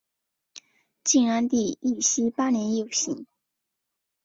晋安帝义熙八年又省。